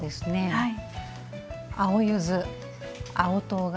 はい。